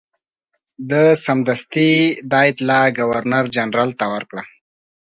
ده سمدستي دا اطلاع ګورنرجنرال ته ورکړه.